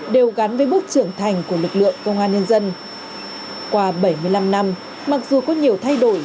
đều gắn với bước trưởng thành của lực lượng công an nhân dân qua bảy mươi năm năm mặc dù có nhiều thay đổi